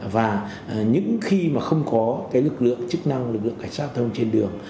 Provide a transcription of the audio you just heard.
và những khi mà không có cái lực lượng chức năng lực lượng cải trang giao thông trên đường